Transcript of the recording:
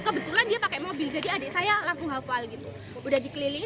kebetulan dia pakai mobil jadi adik saya langsung hafal gitu udah dikelilingi